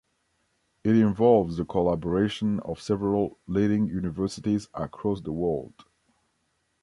It involves the collaboration of several leading universities across the world.